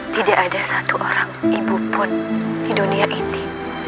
tidak ada satu orang ibu pun di dunia ini